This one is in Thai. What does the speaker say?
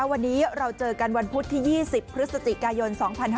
วันนี้เราเจอกันวันพุธที่๒๐พฤศจิกายน๒๕๕๙